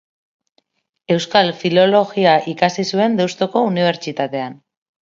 Euskal Filologia ikasi zuen Deustuko Unibertsitatean.